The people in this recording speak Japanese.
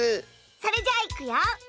それじゃあいくよ。